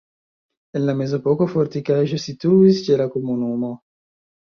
En la mezepoko fortikaĵo situis ĉe la komunumo.